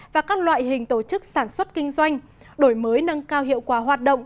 và các loại hình tổ chức sản xuất kinh doanh đổi mới nâng cao hiệu quả hoạt động